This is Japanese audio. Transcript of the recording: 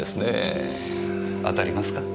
当たりますか？